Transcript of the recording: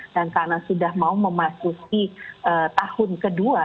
dan karena sudah mau memasuki tahun kedua